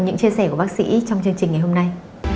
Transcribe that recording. những chia sẻ của bác sĩ trong chương trình ngày hôm nay